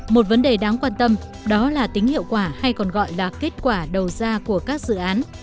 một vấn đề đáng quan tâm đó là tính hiệu quả hay còn gọi là kết quả đầu ra của các dự án